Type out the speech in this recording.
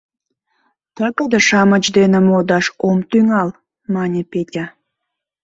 Тыгыде-шамыч дене модаш ом тӱҥал, мане Петя.